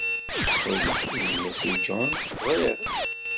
Ttxil-k, ini-as i John ɣriɣ-d.